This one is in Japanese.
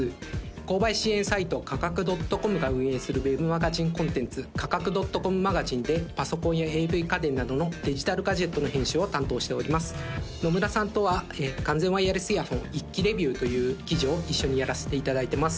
購買支援サイト価格．ｃｏｍが運営するＷｅｂマガジンコンテンツ価格．ｃｏｍマガジンでパソコンやＡＶ家電などのデジタルガジェットの編集を担当しております野村さんとは「完全ワイヤレスイヤホン一気レビュー！」という記事を一緒にやらせていただいてます